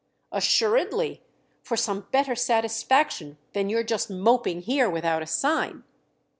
"Assuredly—for some better satisfaction than your just moping here without a sign!"